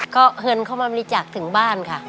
ก็เงินเข้ามาบริจาคถึงบ้านค่ะ